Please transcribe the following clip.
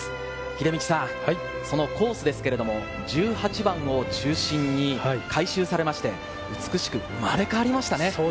秀道さん、そのコースですけれど、１８番を中心に改修されまして、美しく生まれ変わりましたね。